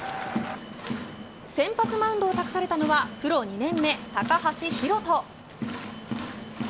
先発マウンドを託されたのはプロ２年目高橋宏斗。